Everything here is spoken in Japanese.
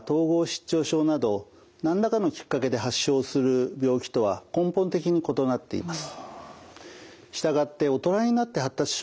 失調症など何らかのきっかけで発症する病気とは根本的に異なっています。